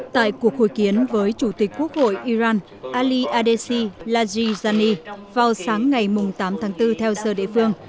tại cuộc hội kiến với chủ tịch quốc hội iran ali adesi lajijani vào sáng ngày tám tháng bốn theo giờ địa phương